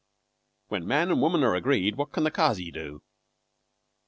"When man and woman are agreed, what can the Kazi do?"